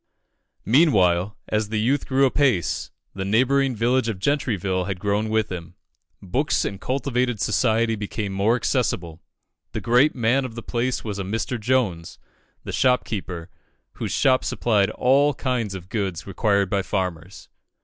Meanwhile, as the youth grew apace, the neighbouring village of Gentryville had grown with him. Books and cultivated society became more accessible. The great man of the place was a Mr. Jones, the storekeeper, whose shop supplied all kinds of goods required by farmers.